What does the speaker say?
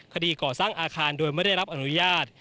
คดีก่อสร้างอาคารโดยไม่ได้รับอนุญาต